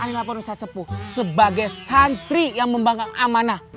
ane lapor ustadz sepu sebagai santri yang membanggang amanah